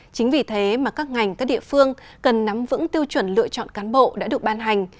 chính vì thế mà các ngành các địa phương cần nắm vững tiêu chuẩn lựa chọn cán bộ đã được ban hành